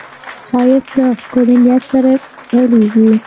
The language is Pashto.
ښایست له ښکلي نیت سره پیلېږي